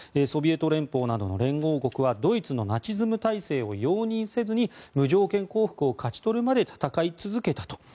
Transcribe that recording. ソビエト連邦などの連合国はドイツのナチズム体制を容認せずに無条件降伏を勝ち取るまで戦い続けたと。